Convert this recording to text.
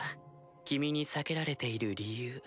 君に避けられている理由。